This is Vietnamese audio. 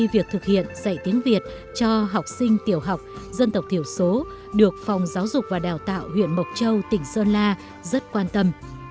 việc thực hiện dạy tiếng việt cho học sinh tiểu học dân tộc thiểu số được phòng giáo dục và đào tạo huyện mộc châu tỉnh sơn la rất quan tâm